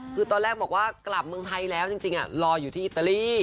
คือตอนแรกบอกว่ากลับเมืองไทยแล้วจริงรออยู่ที่อิตาลี